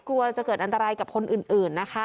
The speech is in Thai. กลัวจะเกิดอันตรายกับคนอื่นนะคะ